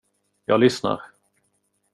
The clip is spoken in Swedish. Jag lyssnar.